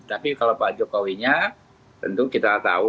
tapi kalau pak jokowinya tentu kita tahu